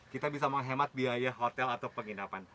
kita bisa menghemat biaya hotel atau penginapan